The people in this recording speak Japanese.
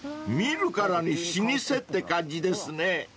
見るからに老舗って感じですね］